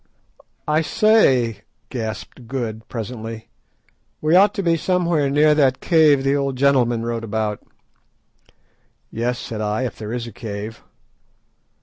"I say," gasped Good, presently, "we ought to be somewhere near that cave the old gentleman wrote about." "Yes," said I, "if there is a cave."